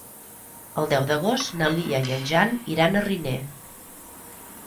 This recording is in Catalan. El deu d'agost na Lia i en Jan iran a Riner.